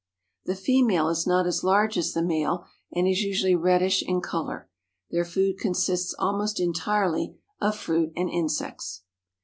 The female is not as large as the male and is usually reddish in color. Their food consists almost entirely of fruit and insects.